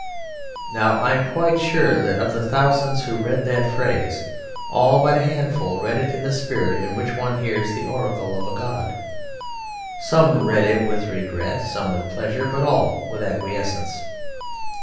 Now I am quite sure that of the thousands who read that phrase all but a handful read it in the spirit in which one hears the oracle of a god. Some read it with regret, some with pleasure, but all with acquiescence.